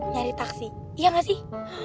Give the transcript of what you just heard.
nyari taksi iya nggak sih